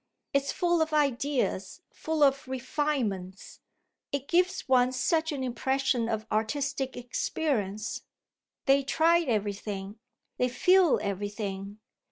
It's full of ideas, full of refinements; it gives one such an impression of artistic experience. They try everything, they feel everything.